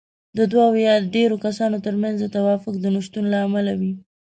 د دوو يا ډېرو کسانو ترمنځ د توافق د نشتون له امله وي.